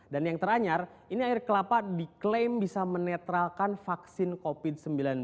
dan yang teranyar ini air kelapa diklaim bisa menetralkan vaksin covid sembilan belas